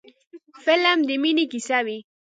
فلم د مینې کیسه وي